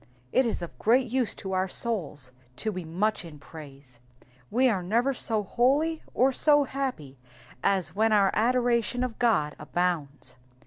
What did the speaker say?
It is of great use to our souls to be much in praise ; we are never so holy or so happy as when our adoration of God abounds.